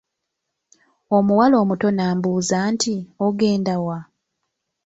Omuwala omuto n'ambuuza nti, ogenda wa?